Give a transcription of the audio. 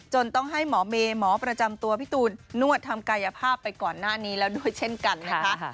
ต้องให้หมอเมย์หมอประจำตัวพี่ตูนนวดทำกายภาพไปก่อนหน้านี้แล้วด้วยเช่นกันนะคะ